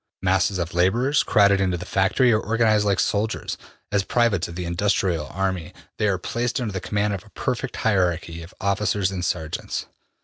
Masses of laborers, crowded into the factory, are organized like soldiers. As privates of the industrial army they are placed under the command of a perfect hierarchy of officers and sergeants.